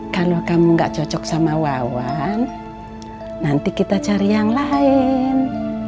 kalau kamu gak cocok sama wawan nanti kita cari yang lain